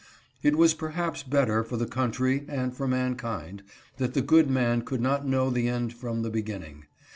It was perhaps better for the country and for mankind that the good man could not know the end from the beginning.